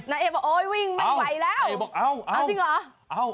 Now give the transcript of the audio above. น้าเอ๋ลบอกว่าโอ้ยวิ่งมันไหวแล้ว